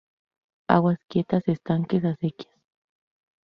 Aguas quietas, estanques, acequias.